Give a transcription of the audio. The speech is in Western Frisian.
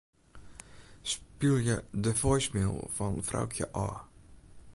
Spylje de voicemail fan Froukje ôf.